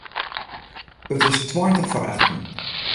It is tweintich foar achten.